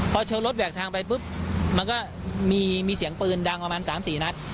พอชนรถแหวกทางไปปุ๊บมันก็มีเสียงปืนดังประมาณ๓๔นัด